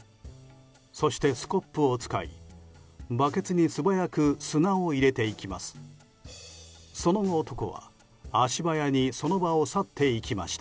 そしてスコップを使いバケツに素早く砂を入れていきます。